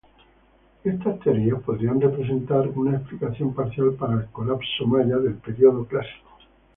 Estas teorías podrían representar una explicación parcial para el colapso maya del periodo Clásico.